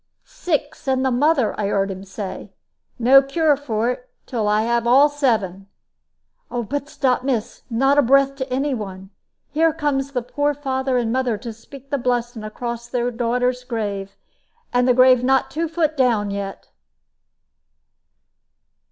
'Six, and the mother!' I heared un say; 'no cure for it, till I have all seven.' But stop, miss. Not a breath to any one! Here comes the poor father and mother to speak the blessing across their daughter's grave and the grave not two foot down yet!"